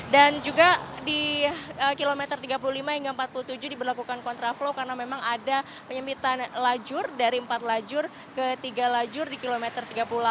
juga di kilometer tiga puluh lima hingga empat puluh tujuh diberlakukan kontraflow karena memang ada penyempitan lajur dari empat lajur ke tiga lajur di kilometer tiga puluh delapan